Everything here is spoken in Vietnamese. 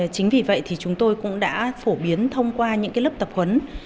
chính vì vậy thì chúng tôi cũng đã phổ biến thông qua những lớp tập huấn